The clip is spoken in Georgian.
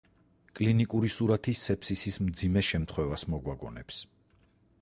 კლინიკური სურათი სეფსისის მძიმე შემთხვევას მოგვაგონებს.